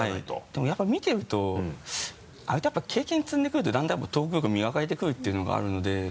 でもやっぱり見てるとあれってやっぱ経験積んでくるとだんだんトーク力磨かれてくるっていうのがあるので。